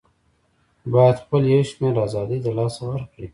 بايد خپل يو شمېر آزادۍ د لاسه ورکړي